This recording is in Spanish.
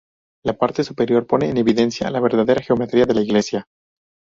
La parte superior pone en evidencia la verdadera geometría de la iglesia.